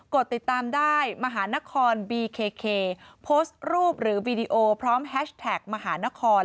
ดติดตามได้มหานครบีเคโพสต์รูปหรือวีดีโอพร้อมแฮชแท็กมหานคร